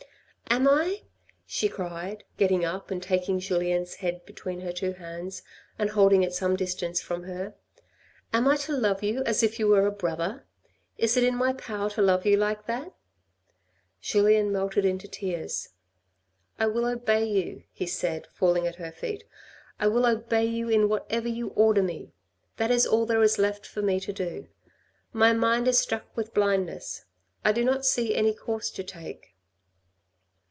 " Am I," she cried, getting up and taking Julien's head between her two hands, and holding it some distance from her. " Am I to love you as if you were a brother ? Is it in my power to love you like that ?" Julien melted into tears. " I will obey you," he said, falling at her feet. I will obey you in whatever you order me. That is all there is left for me to do. My mind is struck with blindness. I do not see any course to take.